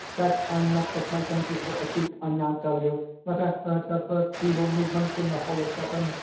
_ Said I not that my senses were acute? I now tell you that I heard her first feeble movements in the hollow coffin.